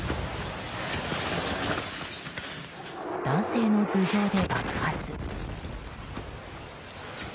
男性の頭上で爆発。